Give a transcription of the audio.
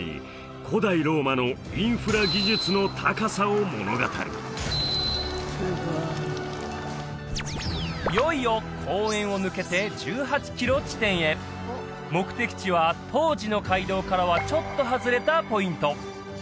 古代ローマのインフラ技術の高さを物語るいよいよ公園を抜けて１８キロ地点へ目的地は当時の街道からはちょっと外れたポイント